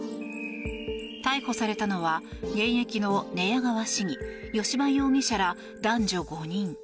逮捕されたのは現役の寝屋川市議吉羽容疑者ら、男女５人。